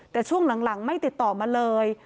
แต่ช่วงหลังไม่ติดต่อมาเลย